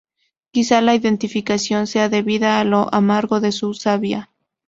Quizá la identificación sea debida a lo amargo de su savia.